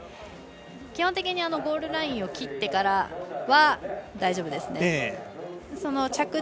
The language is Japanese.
基本的にゴールラインを切ってからは大丈夫ですね。